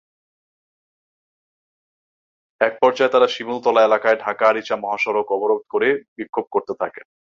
একপর্যায়ে তাঁরা শিমুলতলা এলাকায় ঢাকা-আরিচা মহাসড়ক অবরোধ করে বিক্ষোভ করতে থাকেন।